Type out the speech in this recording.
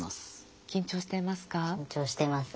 緊張していますか？